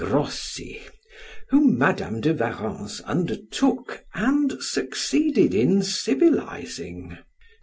Grossi, whom Madam de Warrens undertook and succeeded in civilizing.